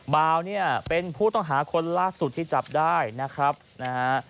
บาวเนี่ยเป็นผู้ต้องหาคนล่าสุดที่จับได้นะครับนะฮะ